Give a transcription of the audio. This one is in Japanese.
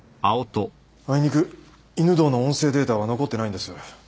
あいにく犬堂の音声データは残ってないんです。